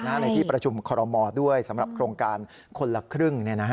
ในที่ประชุมคอรมอลด้วยสำหรับโครงการคนละครึ่ง